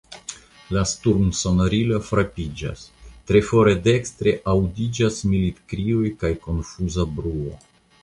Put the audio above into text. La sturmsonorilo frapiĝas; tre fore dekstre aŭdiĝas militkrioj kaj konfuza bruo.